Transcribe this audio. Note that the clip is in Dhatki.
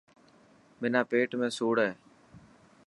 منا پيٽ ۾ سوڙ هي.